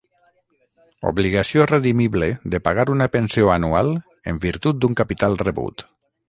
Obligació redimible de pagar una pensió anual en virtut d'un capital rebut.